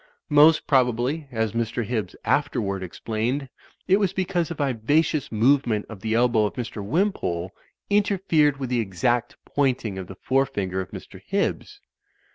Most probably, as Mr. Hibbs afterward explained, it was because a viva cious movement of the elbow of Mr. Wimpole inter fered with the exact pointing of the forefinger of Mr. Hibbs.